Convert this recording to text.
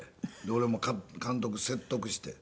俺も監督説得して。